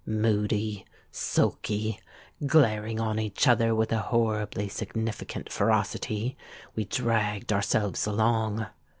Moody—sulky—glaring on each other with a horribly significant ferocity, we dragged ourselves along.